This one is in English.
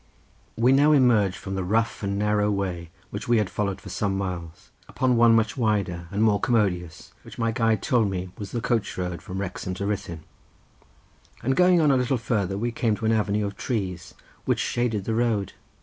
We now emerged from the rough and narrow way which we had followed for some miles, upon one much wider, and more commodious, which my guide told me was the coach road from Wrexham to Ruthyn, and going on a little farther we came to an avenue of trees which shaded the road.